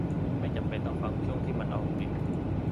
ไม่จำเป็นต้องฟังช่วงที่มันออกดิ